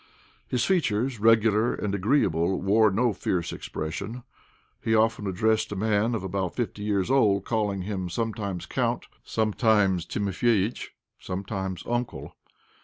His features, regular and agreeable, wore no fierce expression. He often addressed a man of about fifty years old, calling him sometimes Count, sometimes Timofeitsh, sometimes Uncle.